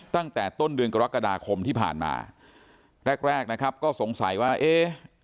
ตั้งแต่ต้นเดือนกรกฎาคมที่ผ่านมาแรกแรกนะครับก็สงสัยว่าเอ๊ะ